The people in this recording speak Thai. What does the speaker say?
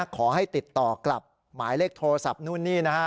ขอให้ติดต่อกลับหมายเลขโทรศัพท์นู่นนี่นะฮะ